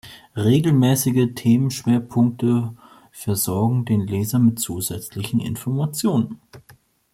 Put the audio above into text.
Regelmäßige Themenschwerpunkte versorgen den Leser mit zusätzlichen Informationen.